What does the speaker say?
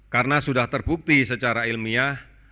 karena sudah terbukti secara ilmiah